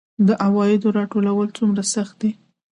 د عوایدو راټولول څومره سخت دي؟